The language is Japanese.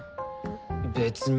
別に。